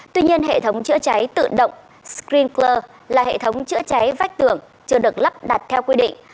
tuy nhiên hệ thống chữa cháy tự động streamcler là hệ thống chữa cháy vách tường chưa được lắp đặt theo quy định